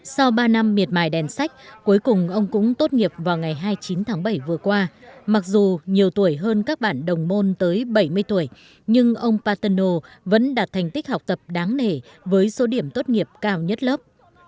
sau ba năm miệt mài đèn sách cuối cùng ông cũng tốt nghiệp vào ngày hai mươi chín tháng bảy vừa qua mặc dù nhiều tuổi hơn các bạn đồng môn tới bảy mươi tuổi nhưng ông paterno vẫn đạt thành tích học tập đáng nể với số điểm tốt nghiệp cao nhất lớp